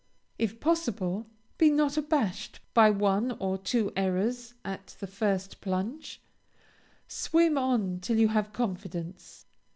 If possible, be not abashed by one or two errors at the first plunge swim on till you have confidence.